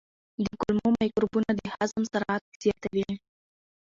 د کولمو مایکروبونه د هضم سرعت زیاتوي.